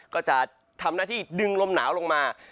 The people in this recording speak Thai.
ก็จะทำหน้าที่ดึงลมหนาวลงมา